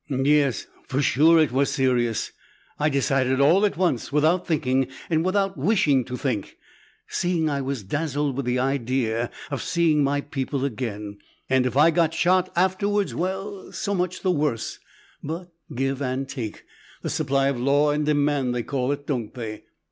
"Yes, for sure, it was serious. I decided all at once, without thinking and without wishing to think, seeing I was dazzled with the idea of seeing my people again; and if I got shot afterwards, well, so much the worse but give and take. The supply of law and demand they call it, don't they?